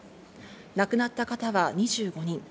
亡くなった方は２５人。